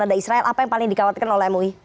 ada israel apa yang paling dikhawatirkan oleh mui